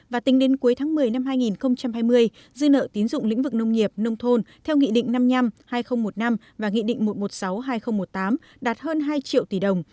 và tính đến cuối tháng một mươi năm hai nghìn hai mươi dư nợ tín dụng lĩnh vực nông nghiệp nông thôn theo nghị định năm mươi năm hai nghìn một mươi năm và nghị định một trăm một mươi sáu hai nghìn một mươi tám đạt hơn hai triệu tỷ đồng